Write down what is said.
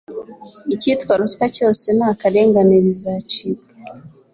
icyitwa ruswa cyose n'akarengane bizacibwa